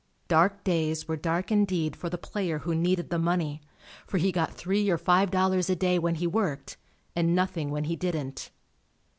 Dark days were dark indeed for the player who needed the money, for he got $3 or $5 a day when he worked and nothing when he didn't.